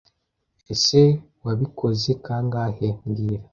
Ese Wabikoze kangahe mbwira